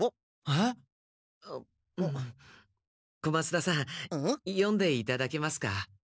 小松田さん読んでいただけますか？